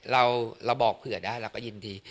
เราบอกเผื่อได้เราก็ยินดี